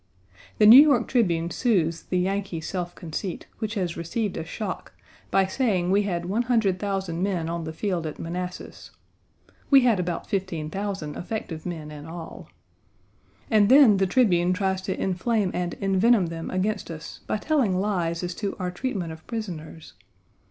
The New York Tribune soothes the Yankee self conceit, which has received a shock, by saying we had 100,000 men on the field at Manassas; we had about 15,000 effective men in all. And then, the Tribune tries to inflame and envenom them against us by telling lies as to our treatment of prisoners.